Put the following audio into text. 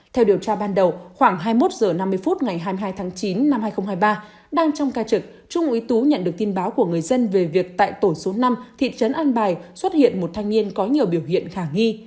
theo điều tra ban đầu khoảng hai mươi một h năm mươi phút ngày hai mươi hai tháng chín năm hai nghìn hai mươi ba đang trong ca trực trung úy tú nhận được tin báo của người dân về việc tại tổ số năm thị trấn an bài xuất hiện một thanh niên có nhiều biểu hiện khả nghi